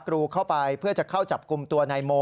รูเข้าไปเพื่อจะเข้าจับกลุ่มตัวนายโม